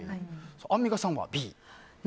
アンミカさんはＢ。